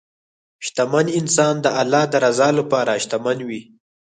شتمن انسان د الله د رضا لپاره شتمن وي.